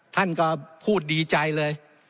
ท่านก็พูดดีใจเลย